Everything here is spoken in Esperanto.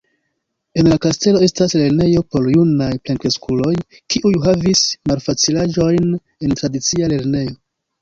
En la kastelo estas lernejo por junaj plenkreskuloj, kiuj havis malfacilaĵojn en tradicia lernejo.